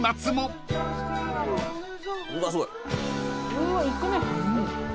うわいくね。